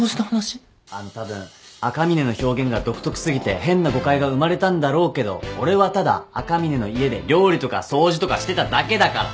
あのたぶん赤嶺の表現が独特過ぎて変な誤解が生まれたんだろうけど俺はただ赤嶺の家で料理とか掃除とかしてただけだから。